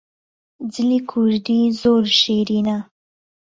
جلی کوردی زۆر شیرینە